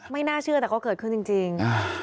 ไม่น่าเชื่อแต่ก็เกิดขึ้นจริง